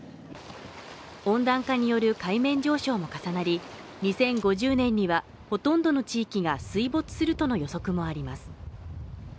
温暖化による海面上昇も重なり、２０５０年にはほとんどの地域が水没するとの予測もあります